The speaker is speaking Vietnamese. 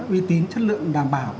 uy tín chất lượng đảm bảo